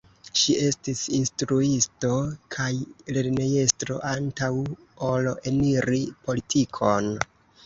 Ŝi estis instruisto kaj lernejestro antaŭ ol eniri politikon.